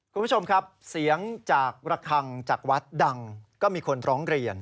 คุณผู้ชมครับเสียงจากระคังจากวัดดังก็มีคนร้องเรียน